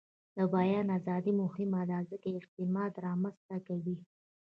د بیان ازادي مهمه ده ځکه چې اعتماد رامنځته کوي.